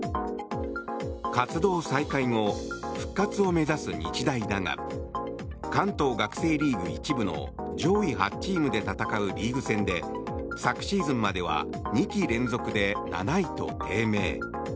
活動再開後復活を目指す日大だが関東学生リーグ１部の上位８チームで戦うリーグ戦で昨シーズンまでは２季連続で７位と低迷。